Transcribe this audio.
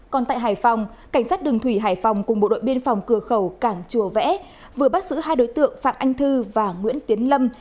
còn tại hải phòng cảnh sát đường thủy hải phòng cùng bộ đội biên phòng cửa khẩu cảng chùa vẽ vừa bắt giữ hai đối tượng phạm anh thư và nguyễn tiến lâm